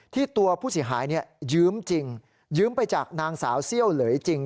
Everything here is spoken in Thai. ตัวผู้เสียหายยืมจริงยืมไปจากนางสาวเซี่ยวเหลยจริง